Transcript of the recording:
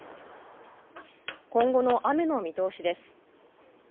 今後の雨の見通しです。